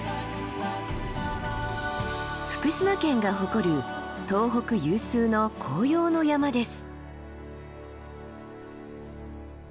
福島県が誇る東北有数の紅葉の山です。